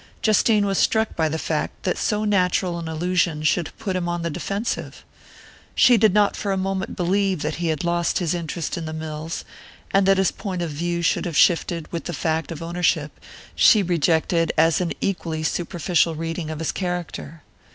Justine was struck by the fact that so natural an allusion should put him on the defensive. She did not for a moment believe that he had lost his interest in the mills; and that his point of view should have shifted with the fact of ownership she rejected as an equally superficial reading of his character.